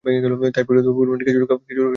তাই পরিমিত পরিমাণ খেজুর খাওয়াই উচিত।